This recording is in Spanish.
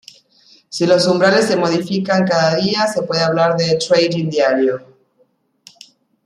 Si los umbrales se modifican cada día se puede hablar de Trading diario.